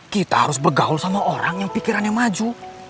kita harus bergaul sama orang yang pikirannya maju